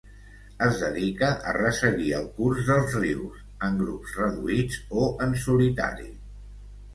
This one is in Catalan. Es dedica a resseguir el curs dels rius, en grups reduïts o en solitari.